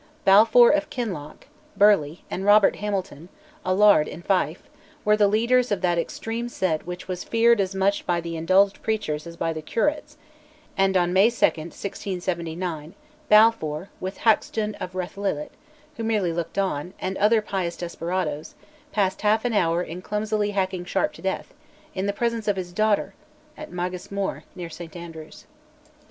Balfour of Kinloch (Burley) and Robert Hamilton, a laird in Fife, were the leaders of that extreme sect which was feared as much by the indulged preachers as by the curates, and, on May 2, 1679, Balfour, with Hackstoun of Rathillet (who merely looked on), and other pious desperadoes, passed half an hour in clumsily hacking Sharp to death, in the presence of his daughter, at Magus Moor near St Andrews.